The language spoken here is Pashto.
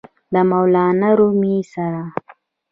د مولانا رومي سره!!!